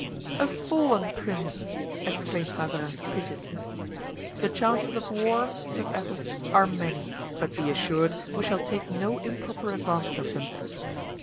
"A fallen prince!" exclaimed Mazarin, piteously. "The chances of war," said Athos, "are many, but be assured we shall take no improper advantage of them."